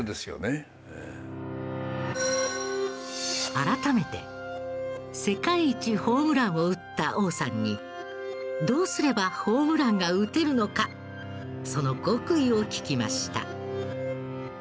改めて世界一ホームランを打った王さんにどうすればホームランが打てるのかその極意を聞きました。